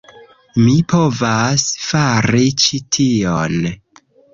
Mi povas fari ĉi tion!